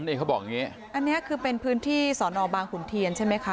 นี่เขาบอกอย่างงี้อันนี้คือเป็นพื้นที่สอนอบางขุนเทียนใช่ไหมคะ